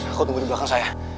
aku tunggu di belakang saya